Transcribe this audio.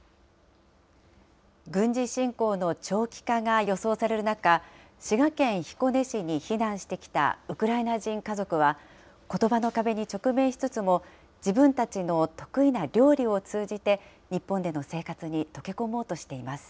軍事侵攻の長期化が予想される中、滋賀県彦根市に避難してきたウクライナ人家族は、ことばの壁に直面しつつも、自分たちの得意な料理を通じて、日本での生活に溶け込もうとしています。